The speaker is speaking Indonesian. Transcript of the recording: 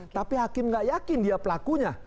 tapi hakim nggak yakin dia pelakunya